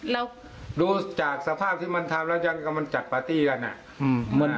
รู้จากสภาพที่มันทำแล้วมันจัดปาร์ตี้กัน